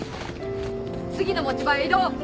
次の持ち場へ移動！